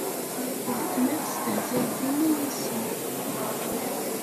Uletma testehzay dima yessi.